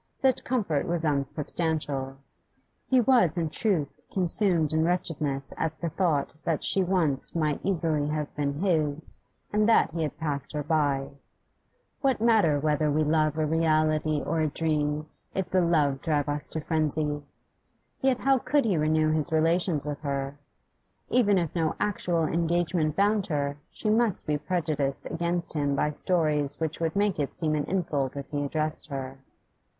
Such comfort was unsubstantial; he was, in truth, consumed in wretchedness at the thought that she once might easily have been his, and that he had passed her by. What matter whether we love a reality or a dream, if the love drive us to frenzy? Yet how could he renew his relations with her? Even if no actual engagement bound her, she must be prejudiced against him by stories which would make it seem an insult if he addressed her.